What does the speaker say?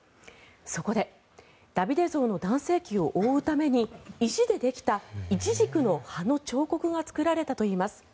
そこで、ダビデ像の男性器を覆うために、石でできたイチジクの葉の彫刻が作られたといいます。